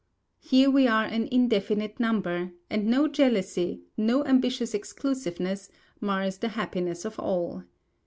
Here we are an indefinite number; and no jealousy, no ambitious exclusiveness, mars the happiness of all.